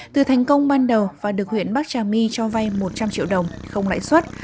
từ thành công ban đầu và được huyện bắc trà my cho vay một trăm linh triệu đồng không lãi xuất